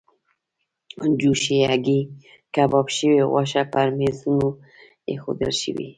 جوشې هګۍ، کباب شوې غوښه پر میزونو ایښودل شوې.